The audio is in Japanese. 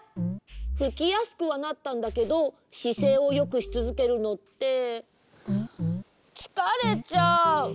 ふきやすくはなったんだけどしせいをよくしつづけるのってつかれちゃう！